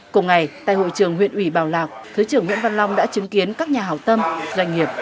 cùng ngày tại hội trường huyện ủy bảo lạc thứ trưởng nguyễn văn long đã chứng kiến các nhà hảo tâm doanh nghiệp